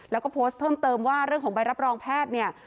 แล้วก็โพสต์เพิ่มเติมว่าเรื่องของใบรับรองแพทย์เนี่ย